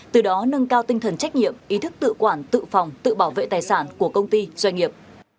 từ đó nâng cao tinh thần trách nhiệm ý thức tự quản tự phòng tự bảo vệ tài sản của công ty doanh nghiệp